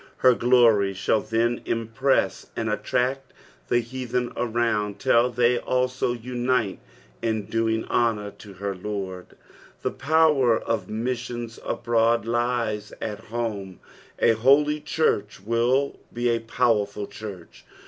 Her glory shall then impress and attract the heathen around, till they also unite in doing honour to her Lord. The power of missions abroad lies at horn's: a holy church will be a powerful church.